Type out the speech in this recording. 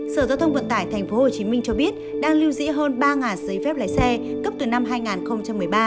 sở giao thông vận tải tp hcm cho biết đang lưu giữ hơn ba giấy phép lái xe cấp từ năm hai nghìn một mươi ba